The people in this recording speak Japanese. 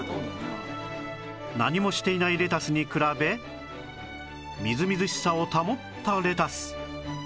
何もしていないレタスに比べみずみずしさを保ったレタス